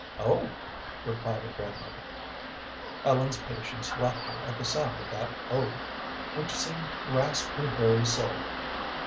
"Oh!" replied her grandmother. Ellen's patience left her at the sound of that "Oh," which seemed to rasp her very soul.